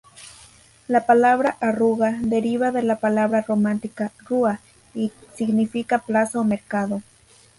La palabra "arruga" deriva de la palabra románica "rua" y significa plaza o mercado.